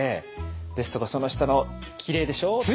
ですとかその下のきれいでしょう。